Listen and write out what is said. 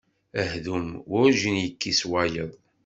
Ahdum werǧin yekkis wayeḍ.